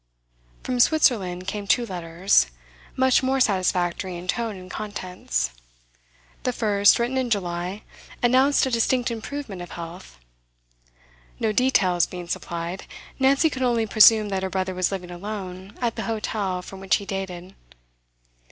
From Switzerland came two letters, much more satisfactory in tone and contents. The first, written in July, announced a distinct improvement of health. No details being supplied, Nancy could only presume that her brother was living alone at the hotel from which he dated.